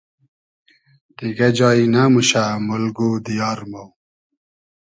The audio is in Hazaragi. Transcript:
دیگۂ جای نئموشۂ مولگ و دیار مۉ